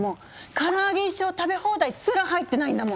からあげ一生食べ放題すら入ってないんだもん！